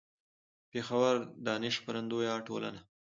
. پېښور: دانش خپرندويه ټولنه